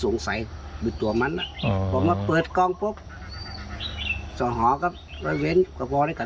แล้วก็เชิญจะไปทุกหน้า